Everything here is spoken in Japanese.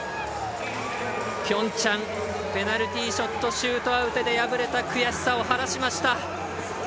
ピョンチャンでペナルティーショットシュートアウトで敗れた悔しさを晴らしました。